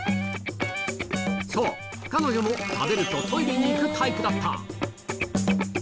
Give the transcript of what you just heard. そう、彼女も食べるとトイレに行くタイプだった。